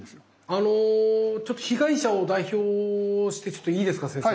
あのちょっと被害者を代表してちょっといいですか先生。